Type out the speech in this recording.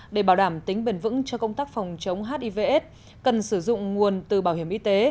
để bảo đảm tính bền vững cho công tác phòng chống hivs cần sử dụng nguồn từ bảo hiểm y tế